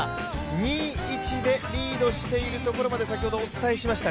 ２−１でリードしているところまで先ほどお伝えしました、